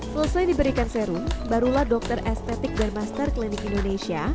selesai diberikan serum barulah dokter estetik dermaster klinik indonesia